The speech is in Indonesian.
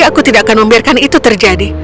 aku tidak akan membiarkan itu terjadi